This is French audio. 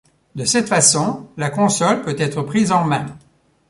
De cette façon, la console peut être prise en main.